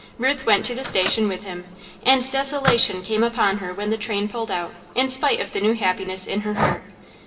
Ruth went to the station with him, and desolation came upon her when the train pulled out, in spite of the new happiness in her heart.